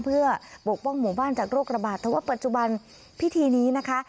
เพื่อปกป้องหมู่บ้านจากโรคระบาดแต่ว่าปัจจุบันพิธีนี้นะคะ